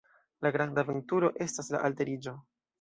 La granda aventuro estas la alteriĝo.